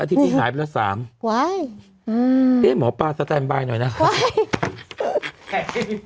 อาทิตย์นี้หายไปแล้วสามวัยอืมก็ให้หมอปลาน้อยนะครับ